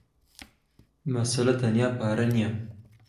مەسەلە تەنیا پارە نییە.